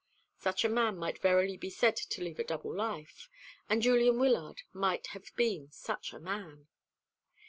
Such a man might verily be said to lead a double life and Julian Wyllard might have been such a man.